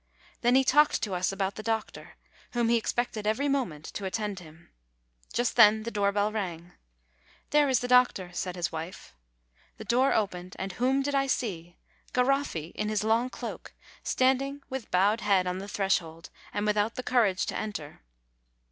Then he talked to us about the doctor, whom he expected every moment to attend him. Just then the door bell rang. "There is the doctor," said his wife. The door opened and whom did I see? Garoffi, 70 DECEMBER in his long cloak, standing, with bowed head on the threshold, and without the courage to enter.